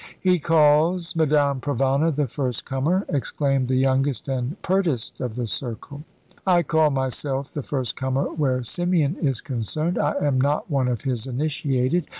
"He calls Madame Provana the first comer!" exclaimed the youngest and pertest of the circle. "I call myself the first comer where Symeon is concerned. I am not one of his initiated.